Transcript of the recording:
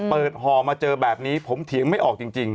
ห่อมาเจอแบบนี้ผมเถียงไม่ออกจริง